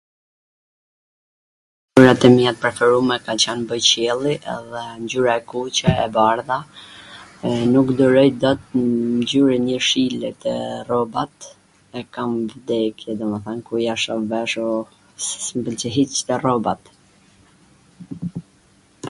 Ngjyrat e mia t preferume kan qwn bojqielli edhe ngjyra e kuqe, e bardha, nuk duroij dot ngjyrwn jeshile te rrobat, e kam vdekje domethwn, kur ja shoh veshur s mw pwlqe hiC te rrobat.